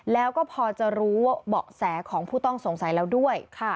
แล้วก็พอจะรู้เบาะแสของผู้ต้องสงสัยแล้วด้วย